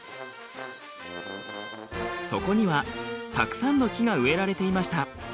そこにはたくさんの木が植えられていました。